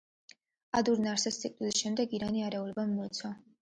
ადურ ნარსეს სიკვდილის შემდეგ ირანი არეულობამ მოიცვა.